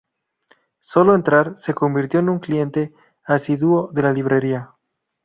Sólo entrar, se convirtió en un cliente asiduo de la librería.